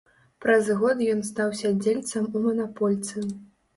Праз год ён стаў сядзельцам у манапольцы.